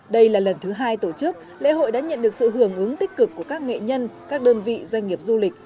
đây là lần thứ hai tổ chức lễ hội đã nhận được sự hưởng ứng tích cực của các nghệ nhân các đơn vị doanh nghiệp du lịch